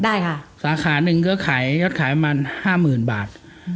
ได้ค่ะสาขาหนึ่งก็ขายยอดขายประมาณห้าหมื่นบาท